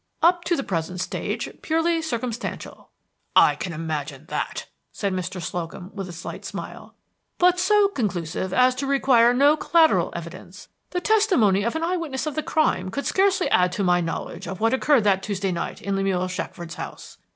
"Up to the present stage, purely circumstantial." "I can imagine that," said Mr. Slocum, with a slight smile. "But so conclusive as to require no collateral evidence. The testimony of an eye witness of the crime could scarcely add to my knowledge of what occurred that Tuesday night in Lemuel Shackford's house."